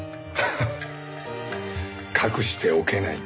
ハハッ隠しておけない。